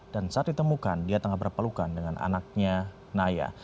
dan saat ditemukan dia tengah berpelukan dengan anaknya naya